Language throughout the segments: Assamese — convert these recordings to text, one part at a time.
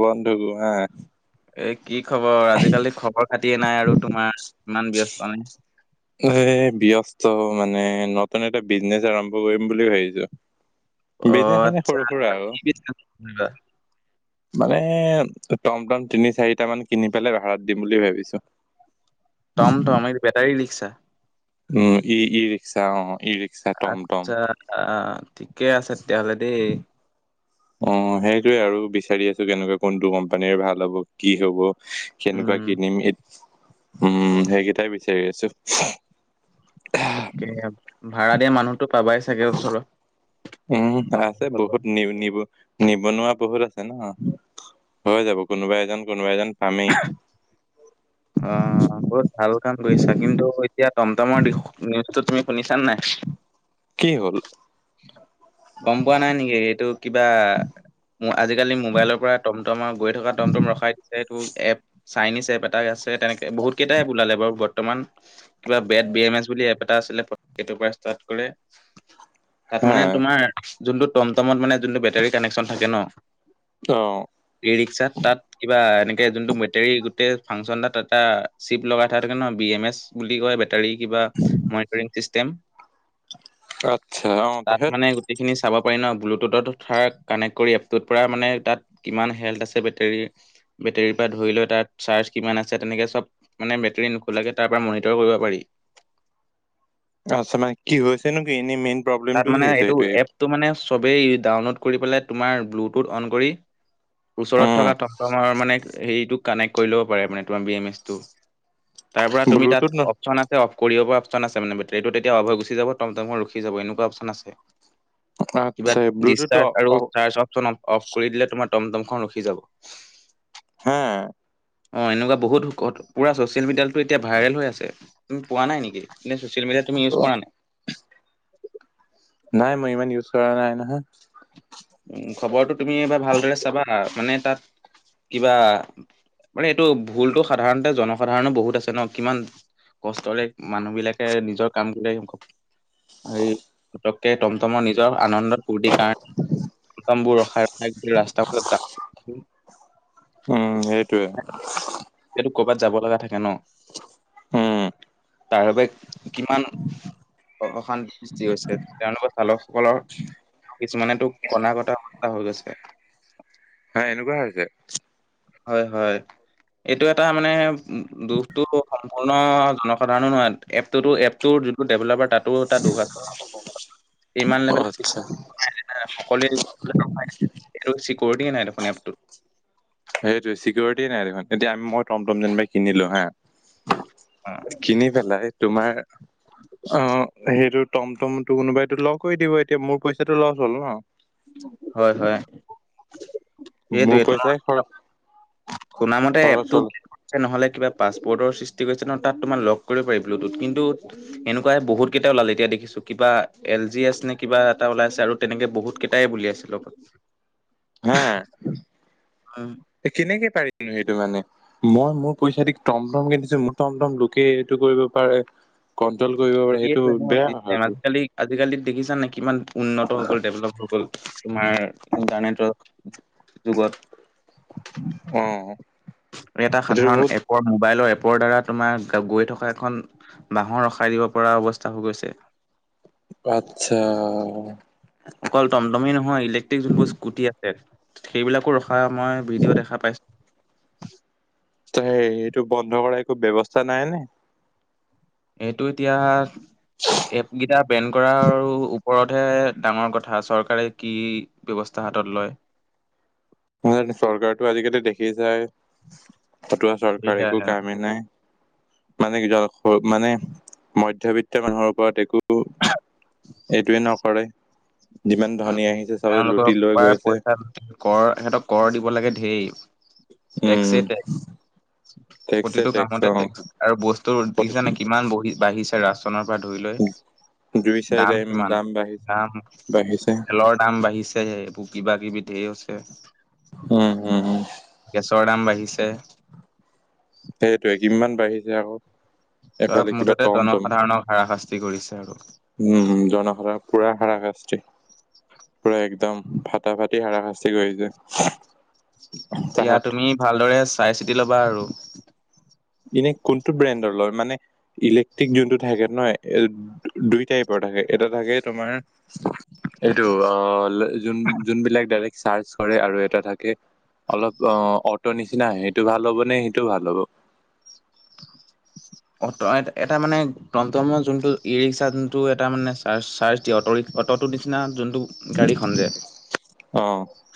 বন্ধু আহ এ কি খবৰ আজিকালি খবৰ খাতিয়ে নাই আৰু তোমাৰ ইমান ব্যস্ত নে এ ব্যস্ত মানে নতুন এটা বিজনেচ আৰম্ভ কৰিম বুলি ভাবিছো। অ বিজনেচ মানে আচ্ছা সৰু সুৰা আৰু [unintelligible] মানে টম টম তিনি চাৰিটা মান কিনি পেলাই ভাড়াত দিম বুলি ভাবিছো। টম টম এইটো বেটাৰী ৰিকছা। উম ই ই ৰিক্সা অ ই ৰিক্সা টমটম আচ্ছা আহ ঠিকে আছে তেতিয়াহ'লে দেই অ সেইটোয়ে আৰু বিচাৰি আছো কেনেকুৱা কোনটো কোম্পানীৰ ভাল হ'ব কি হব কেনেকুৱা উম কিনিম উম সেইকেইটাই বিচাৰি আছো তাকে ভাড়া দিয়া মানুহ। উম টমটম আছে চলোৱা বহুত নিব নিব। নিবনুৱা বহুত আছে ন হৈ যাব কোনোবা এজন কোনোবা এজন পামেই। অ বহুত ভাল কাম কৰিছা কিন্তু চানাই কি হ'ল গম পোৱা নাই নেকি এইটো কিবা। আজিকালি মোবাইলৰ পৰা টমটমৰ গৈ থকা টমটম ৰখাই দিছে এইটো এপ চাইনিজ এপেএটা আছে তেনেকে বহুত কেইটাই ওলালে বাৰু বৰ্তমান কিবা বেট বি এম এছ বুলি এপ এটা আছিলে হেটো পা গলে তাত হা মানে তোমাৰ যোনটো টমটমত মানে যোনটো বেটাৰী কানেকচন থাকে ন। অ ই ৰিক্সাত তাত কিবা এনেকে যোনটো বেটেৰী গোটেই ফাংচন তাত এটা চিপ লগাই থোৱা থাকে ন বি এম এছ বুলি কয় বেটাৰী কিবা ম চিষ্টেম আচ্ছা অ তাট তাৰপিছত মানে গোটেইখিনি চাব। ন বুলোটুথত কানেক কৰি এপটোৰ পৰা মানে তাত কিমান হেলথ আছে বেটেৰী বেটেৰীৰ পৰা ধৰি ল তাত চাৰ্জ কিমান আছে তেনেকে চব মানে বেটৰী নোখোলাকে তাৰ মনিটৰ কৰিব পাৰি [unintelligible] আচ্ছা মানে কি হৈছেনো কি এনেই মেইন তাত প্ৰব্লেমটো কি মানে হৈছে এইটো এইটোৱে এপটো মানে চবেই ডাউনলোড কৰি পেলাই তোমাৰ ব্লুটুথ অন কৰি ওচৰত উম থকা টমটমৰ মানে হেৰিটো কানেক্ট কৰি ল'ব পাৰে মান তোমাৰ বি এম এছ টো তাৰ পৰা তুমি তাত ব্লুটুথ ন অপচন আছে অ কৰিব পৰা অপচন আছে মানে বেটাৰিতো তেতিয়া অফ হৈ গুচি যাব টমটমো ৰখি যাব এনেকুৱা অপচন আছে। কিবা আচ্ছা ব্লুটুথ অ ডিচচাৰ্জ আৰু অ- চাৰ্জ অপচন অফ কৰি দিলে তোমাৰ টমটমখন ৰখি যাব। হা অঁ এনেকুৱা বহুত পুৰা ছ'চিয়েল মিডিয়াততো এতিয়া ভাইৰেল হৈ আছে তুমি পোৱা নাই নেকি? এনে চ'চিয়েল মিডিয়া তুমি ইউজ কৰা নাই? নাই মই ইমান ইউজ কৰা নাই নহয়। উম খবৰটো তুমি এবাৰ ভালদৰে চাবা মানে তাত কিবা মানে এইটো ভুলটো সাধাৰণতে জনসাধাৰণৰ বহুত আছে ন কিমান কষ্টৰে মানুহ বিলাকে নিজৰ কাম কৰে এই পটককে টমটমৰ নিজৰ আনন্দত ফূৰ্তিৰ কাৰণে টমবোৰ ৰখায় [unintelligible] উম সেইটোৱে ৰাস্তটো বাত যাব লগা থাকে ন উম তাৰবাবে কিমান অশান্তিৰ সৃষ্টি হৈছে তেওঁলোকৰ চালকসকলৰ কিছুমানেতো কনা কটা [unintelligible] হৈ গৈছে। হা এনেকুৱা হৈছে। হয় হয়। এইটো এটা মানে উ দুখটো সম্পূৰ্ণ জনসাধাৰণো নহয় এপটোতো এপটো যোনটো ডেভেলপাৰ তাতো এটা দুখ আছে। ইমান অ লেবেল আচ্ছা সকলোৱে নিশ্চয় চিকৰিটিয়ে নাই দেখোন এপটো। সেইটোৱেই চিকিউৰিটি নাই দেখোন এতি আমি মই টমটম যেনিবাই কিনিলো হা কিনি পেলাই তোমাৰ আহ সেইটোত টমটমতটো কোনোবাইটো লক কৰি দিব এতিয়া মোৰ পইচাটো লচ হ'ল ন। হয় হয়। মোৰ পইচাই খৰচ। শুনা মতে খৰচ এপটো হ'ল [unintelligible] নহলে কিবা পাছৱৰ্ডৰ সৃষ্টি কৰিছে ন তাত তোমাৰ লক কৰিব পাৰি ব্লুটুথ কিন্তু এনেকুৱাই বহুত কেইটাই ওলাল এতিয়া দেখিছো কিবা এল জি এছ নে কিবা এটা ওলাইছে আৰু তেনেকে বহুত কেইটাই বুলিইছিল লগত হা উম, কেনেকে পাৰিছে সেইটো মানে মই মোৰ পইচা দি টমটম কিনছো মোৰ টমটম লোকে এইটো কৰিব পাৰে। [unintelligible] [unintelligible] পাৰে সেইটো বেয়া কথাটো আজিকালি আজিকালি দেখিছা নাই কিমান উন্নত হৈ গ'ল ডেভেলপ হৈ গ'ল তোমাৰ ইণ্টাৰনেটৰ যুগত অ এটা সেইটো সাধাৰণ বহুত এপৰ মোবাইলৰ এপ ৰ দ্বাৰা তোমাৰ গৈ থকা এখন বাঁহৰ ৰখাই দিব পৰা অৱস্থা হৈ গৈছে। আত্ছা অকল টমটমেই নহয় ইলেক্ট্ৰিক যোনবোৰ স্কুটি আছে সেইবিলাকো ৰ হয় মই ভিডিঅ' দেখা পাইছো। এইটো বন্ধ কৰা একো ব্যৱস্থা নাই নে? এইটো এতিয়া এপ কেইটা বেন কৰাৰ ওপৰতহে ডাঙৰ কথা চৰকাৰে কি ব্যৱস্থা ৰাস্ত হাতত লয়। ন চৰকাৰতটো আজিকালি দেখি যায়। ফতুৱা চৰকাৰ একো সেয়াই কামেই নাই। মানে মানে মধ্যবিত্তৰ মানুহৰ ওপৰত একো। এইটোৱেই নকৰে। যিমান উ ধনী আহিছে চবে তেওঁলোকৰ লুটি লৈ পৰা গৈছে পইচা কৰ সিহঁতক কৰ দিব লাগে ধেৰ। উম টেক্সিতে টেক্সে প্ৰতিটো টেক্স অ কামতে টেক্ছ আৰু বস্তু দেখিছে নে কিমান বহি বাঢ়িছে ৰাচনৰ পৰা ধৰি দুই চাৰি দাম কিমান বাঢ়িছে দাম বাঢ়িছে তেলৰ দাম বাঢ়িছেহে এইবোৰ কিবা কিবি ঢেৰ আছে। উম উম উম গেছৰ দাম বাঢ়িছে। সেইটোৱে কিমান বাঢ়িছে আকৌ। চব এফালে কিবা মুঠতে টমটম জনসাধাৰণক হাৰাশাস্তি কৰিছে আৰু উম জনাশৰা পুৰা হাৰ কষ্টি পুৰা একদম ফটা ফাটি হাৰাশাস্তি কৰিছে এতিয়াও তাহাঁত তুমি ভালদৰে চাই চিতি লবা আৰু এনে কোনটো ব্ৰেণ্ডৰ লয় মানে ইলেক্ট্ৰিক যোনটো থাকে নহয় দুই টাইপৰ থাকে এটা থাকে তোমাৰ এইটো যোনবিলাক্ চাৰ্চ কৰে আৰু এটা থাকে অলপ অ অটো নিচিনা সেইটো ভাল হ'ব নে সেইটোও ভাল হ'ব অ এটা মানে গমতম যোনটো ই ৰিক্সা যোনটো এটা মানে চাৰ্জ দিয়ে অটো ৰিক্সা অটোখন নিচিনা যোনখন গাড়ীখন যে অ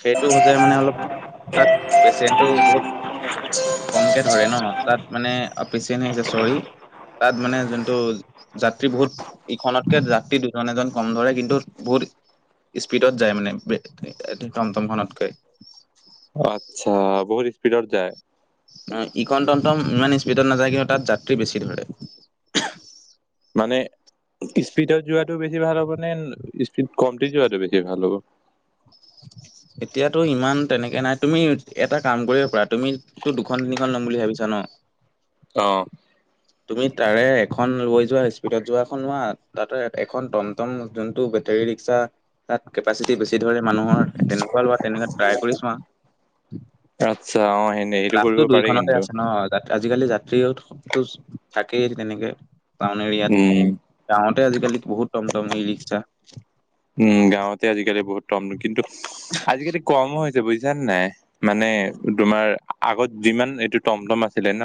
সেইটো সজায় মানে অলপ তাত পেচেণ্টটো বহুত কমকে ধৰে ন? তাত মানে [unintelligible] তাত মানে যোনটো যাত্ৰী বহুত ইখনতকে যাত্ৰী দু এজন কম ধৰে, কিন্তু বহুত স্পীডত যায় মানে টমটমখনতকৈ। আচ্ছা, বহুত স্পীডত যায়। ইখন টম টম ইমান স্পীডত নাযায় কিন্তু তাত যাত্ৰী বেছি ধৰে। মানে স্পীডত যোৱাটো বেছি ভাল হ'ব নে স্পীড কমটি যোৱাটো বেছি ভাল হ'ব। [inaudible] এতিয়াতো ইমান তেনেকে নাই তুমি এটা কাম কৰিব পাৰা তুমি দুখন তিনিখন লম বুলি ভাবিছা ন। [inaudible] অ তুমি তাৰে এখন লৈ যোৱা স্পীডত যোৱাখন লোৱা তাতে এখন টমটম যোনটো বেট বেটাৰি ৰিক্সা তাত কেপাচিতি বেছি। যি ধৰে মানুহৰ তেনেকুৱা লোৱা তেনেকুৱা ট্ৰাই কৰি চোৱা। আচ্ছা অ', সেনে সেইটো লাভটো কৰিব পাৰে দুইখনতে কিন্তু আছে না আজিকালি যা থাকেই তেনেকে টাউন এৰিয়াত উম, টাউনতে আজিকালি বহুত টম টম ই ৰিক্সা উম গাঁৱতে আজিকালি বহুত টম কিন্তু আজিকালি কমো হৈছে বুজিছা নাই মানে তোমাৰ আগত যিমান এইটো টমটম আছিলে ন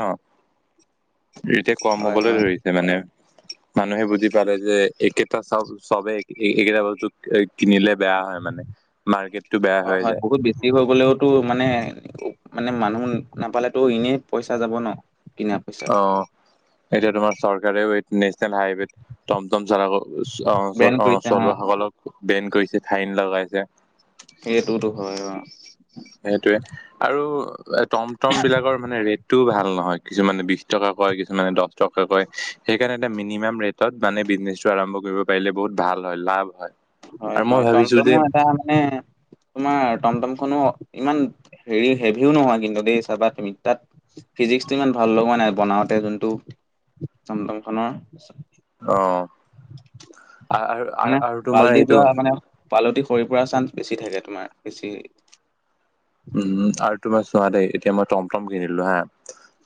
[inaudible] এতিয়া কম হয় হ'বলৈ হয় ধৰিছে মানে মানুহে বুজি পালে যে একেইটা চব চবে এইকেইটা বস্তু কিনিলে বেয়া হয় মানে মাৰ্কেটখন বেয়া হয় হৈ হয় যায় বহুত বেছি হৈ গ'লেওতো মানে মানে মানুহ নাপালেতো এনেই পইচা যাব ন কিনা পইচা অ, এতিয়া তোমাৰ চৰকাৰেও এই নেচনেল হাইৱেত টম টম চলাব। অ, চ চ বেন কৰিছে অ চলুৱা সকলক বেন কৰিছে, ফাইন লগাইছে। এইটোতো হয় অ। সেইটোৱে। আৰু টমটম বিলাকৰ মানে ৰেটটোও ভাল। নহয় কিছুমানে বিছ টকা কয়, কিছুমানে দহ টকা কয়। সেইকাৰণে এ মিনিমাম ৰেটত মানে বিজনেছটো আৰম্ভ কৰিব পাৰিলে বহুত ভাল হয়, লাভ হয়। হয়, আৰু মই হয় ভাবিছো যে টমটমো এটা মানে তোমাৰ টমটম খনো ইমান হেৰি হেভিও নহয় কিন্তু দেই। চাবা তুমি তাত ফিজিক্সটো ইমান ভাল লগা নাই বনাওঁতে যোনটো টম টম খনৰ অ আ-আৰ-আৰ মানে আৰু তোমাৰ পালটি এইটো যোৱা মানে পালতি সৰি পৰা চান্স বেছি থাকে। তোমাৰ বেছি উম আৰু তোমাৰ চোৱা দেই। এতিয়া মই টম টম কিনিলো হা।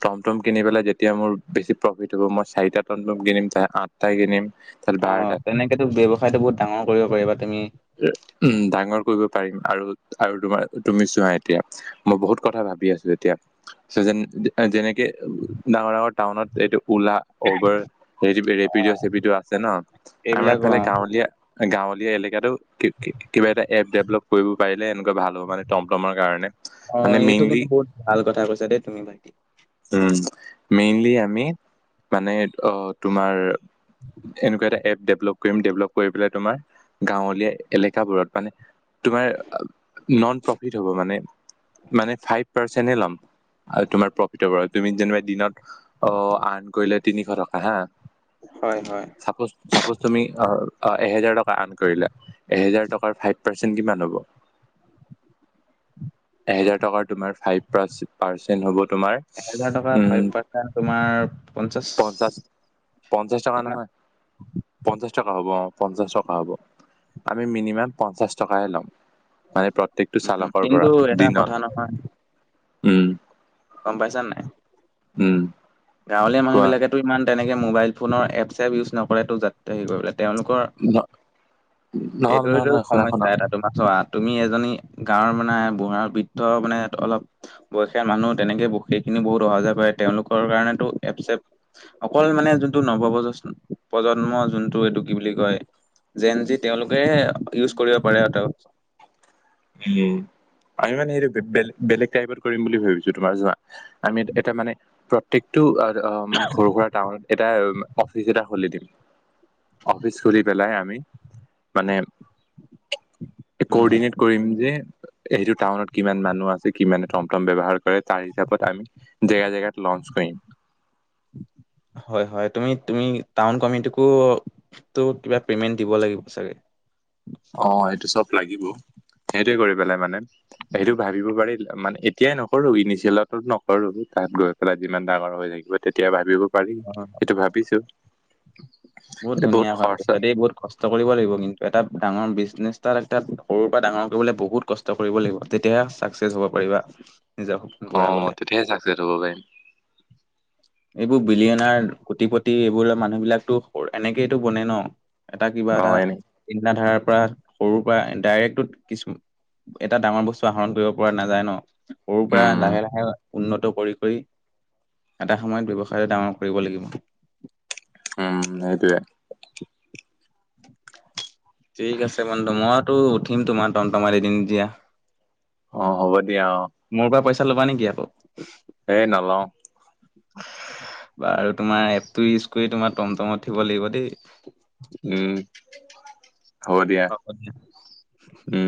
টমটম কিনি পেলাই যেতিয়া মোৰ বেছি প্ৰফিট হ'ব, মই চাৰিটা টমটম কিনিম। তা আঠটা কিনিম। তাৰপিছত অ বাৰটা তেনেকেতো ব্যৱসায়তটো বহুত ডাঙৰ কৰিব পাৰিবা তুমি। উম ডাঙৰ কৰিব পাৰিম আৰু আৰু তোমাৰ তুমি চোৱা এতিয়া মই বহুত কথা ভাব ভাবি আছো এতিয়া। যেন যেনেকে ডাঙৰ-ডাঙৰ টাউনত এইটো উলা, উবেৰ, অ ৰেপিড', চেপিড' আছে ন। আমাৰ এইবিলাক অ ইফালে গাঁৱলীয়া গাঁৱলীয়া এলেকাটো কি-কি কিবা এটা এপ ডেভলপ কৰিব পাৰিলে এনেকুৱা ভাল হ'ব। মানে টমটমৰ কাৰণে। অ, মানে এইটো মেইনলি কিন্তু বহুত ভাল কথা কৈছা দেই তুমি ভাইটি। উ, মেইনলি আমি মানে অ তোমাৰ এনেকুৱা এটা এপ দে দেভলপ কৰিম। ডেভলপ কৰি পেলাই তোমাৰ গাঁৱলীয়া এলেকাবোৰত মানে তোমাৰ নন প্ৰফিট হ'ব মানে। মানে ফাইফ পাৰ্চেন্ত লম আৰু তোমাৰ ভিতৰ পৰা তুমি যেনিবা দিনত অ আৰ্ন কৰিলে তিনিশ টকা হা হয় হয় চাপোজ চাপোজ তুমি অ অ এহেজাৰ টকা আন কৰিলে এহেজাৰ টকাৰ ফাইভ পাৰ্চেণ্ট কিমান হ'ব এহেজাৰ টকাৰ তোমাৰ ফাইভ পাৰ্চে পাৰ্চেন্ট হব তোমাৰ এহেজাৰ টকা ফাইভ পাৰ্চেণ্ট তোমাৰ পঞ্চাশ পঞ্চাছ, পঞ্চাছ টকা কিমান নহয়। পঞ্চাছ টকা হ'ব অ। পঞ্চাছ টকা হ'ব। আমি মিনিমাম পঞ্চাছ টকাহে ল'ম। মানে প্ৰত্যকটো উম, চালকৰ কিন্তু পৰা এটা দিনত, কথা নহয় উম। গম পাইছা নাই? উম। গাঁৱলীয়া কোৱা মানুহবিলাকেটো ইমান তেনেকে মোবাইল ফোনৰ এপচ চেপচ ইউজ নকৰে যাত্ৰ হ কৰিবলে। তেওঁলোকৰ ন নহয় এইটো, নহয় এইটো নহয় শুনা শুনা সমস্যা এটা তোমাৰ চোৱা। তুমি এজনী গাঁৱৰ মানে বুঢ়া বৃদ্ধ মানে অলপ বয়সীয়া মানুহ তেনেকে ব [unintelligible] বহুত অহা-যোৱা কৰে তেওঁলোকৰ কাৰণে টো এপ চেপ অকল মানে যোনটো নৱবজ প্ৰজন্ম যোনটো এইটো কি বুলি কয়। যেনযি তেওঁলোকেহে ইউজ কৰিব পাৰে সিহঁতক। হুম, আমি মানে সেইটো বেলেগ-বেলেগ টাইপত কৰিম বুলি ভাবিছো তোমাৰ চোৱা। আমি এটা মানে প্ৰত্যেকটো মানে সৰু সুৰা টাউনত এটা অফিচ এটা খুলি দিম। অফিচ খুলি পেলাই আমি মানে উম। খুলিম যে এইটো টাউনত কিমান মা মানুহ আছে কিমানে টমটম ৱ্যৱহাৰ কৰে তাৰ হিচাত আমি জেগা জেগাত লঞ্চ কৰিম। [inaudible] হয়, হয়। তুমি তুমি টাউন কমিটিকো কিবা প্ৰেমেন্ট দিব লাগিব চাগে? অ এইটো চব লাগিব সেইটোৱে কৰি পেলাই মানে সেইটো ভাবিব পাৰি মানে এতিয়াই নকৰো ইনিচিয়েলত নকৰো তাত গৈ পেলাই যিমান ডাঙৰ হৈ থাকিব তেতিয়া ভাবিব পাৰিম অ', সেইটো ভাবিছো বহুত এইটো ধুনীয়া কাম খৰচা তাতে বহুত কষ্ট কৰিব লাগিব কিন্তু এটা ডাঙৰ বিজনেছটা তাত তাত সৰুৰ পৰা ডাঙৰ কৰিবলৈ বহুত কষ্ট কৰিব লাগিব তেতিয়াহে চাক্সেছ হ'ব পাৰিবা নিজৰ সপোন অ পুৰাবলে। মই তেতিয়াই চাক্সেছ হ'ব পাৰিম এইবোৰ বিলিয়ানাৰ কুটিপতি এইবোৰ মানুহ বিলাকতো এনেকেইটো বনে ন এটা কিবা অ এটা এনে চিন্তা ধাৰা ৰ পা সৰুৰ পৰা ডাইৰেক্ট কিছু এটা ডাঙৰ বস্তু আহৰণ কৰিব পৰা নাযায় ন সৰুৰ পৰা উম লাহে লাহে উন্নত কৰি কৰি এটা সময়ত ব্যৱসায় ডাঙৰ কৰিব লাগিব উম সেইটোৱে ঠিক আছে বন্ধু মইতো উঠিম তোমাৰ টম টমত এদিন দিয়া অ হ'ব দিয়া অ মোৰ পৰা পইচা লবা নেকি আকৌ এ নল‌ও বাৰু তোমাৰ এপটো ইউজ কৰি তোমাৰ টমটমত উঠিব লাগিব দেই উম হব দিয়া উম।